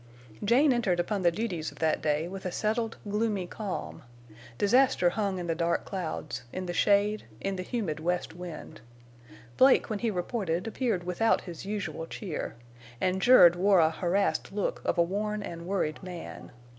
Jane entered upon the duties of that day with a settled, gloomy calm. Disaster hung in the dark clouds, in the shade, in the humid west wind. Blake, when he reported, appeared without his usual cheer; and Jerd wore a harassed look of a worn and worried man.